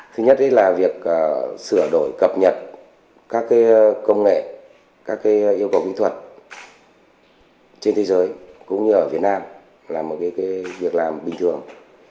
thứ nhất là việc sửa đổi cập nhật các công nghệ các yêu cầu kỹ thuật trên thế giới cũng như ở việt nam là một việc làm bình thường